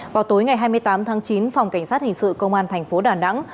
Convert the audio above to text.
vào tối ngày hai mươi tám tháng chín phòng cảnh sát hình sự công an thành phố đà nẵng